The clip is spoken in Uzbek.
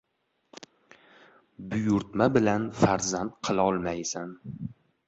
• Buyurtma bilan farzand qilolmaysan.